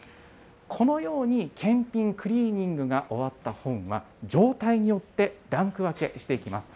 このように、検品、クリーニングが終わった本は、状態によってランク分けしていきます。